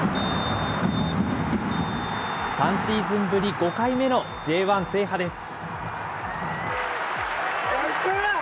３シーズンぶり５回目のＪ１制覇です。